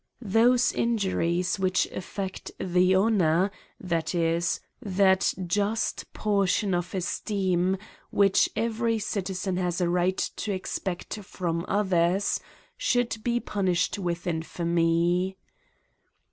THOSE injuries which affect the honour, that is, that just portion of esteem which every citizen has a right to expect from others, should be punish ed with infamy.